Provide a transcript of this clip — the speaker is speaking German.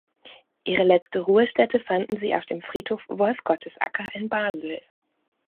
Ihre letzte Ruhestätte fanden sie auf dem Friedhof Wolfgottesacker in Basel.